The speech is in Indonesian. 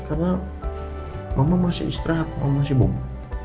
karena mama masih istirahat mama masih bumbu